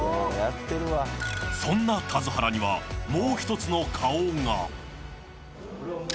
そんな田津原にはもう１つの顔が。